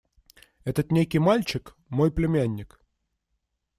– Этот некий мальчик – мой племянник.